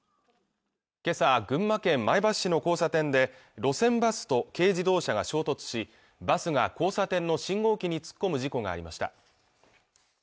今朝、群馬県前橋市の交差点で路線バスと軽自動車が衝突しバスが交差点の信号機に突っ込む事故がありました